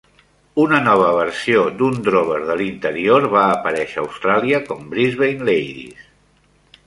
Una nova versió d'un drover de l'interior va aparèixer a Austràlia com "Brisbane Ladies".